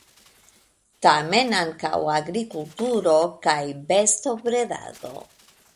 Tamen ankaŭ agrikulturo kaj bestobredado.